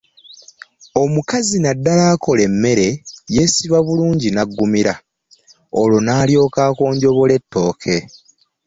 Omukazi naddala ng’akola emmere yeesiba bulungi n’aggumira, olwo n’alyoka akonjobola ettooke.